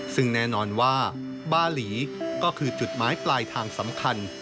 ซึ่งแน่นอนว่าบาหลีก็คือจุดหมายปลายทางสำคัญ